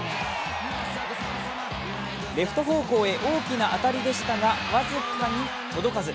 レフト方向へ大きな当たりでしたが、僅かに届かず。